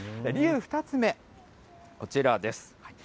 理由２つ目、こちらです。